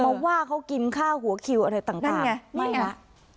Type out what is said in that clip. เพราะว่าเค้ากินข้าวหัวคิวอะไรต่างต่างนั่นไงนี่ไงนี่ไง